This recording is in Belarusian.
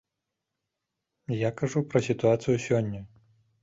Я кажу пра сітуацыю сёння.